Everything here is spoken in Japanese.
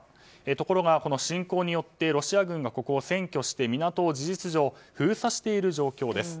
ところが侵攻によってロシア軍がここを占拠して港を事実上封鎖している状況です。